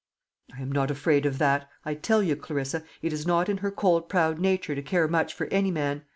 "I am not afraid of that. I tell you, Clarissa, it is not in her cold proud nature to care much for any man.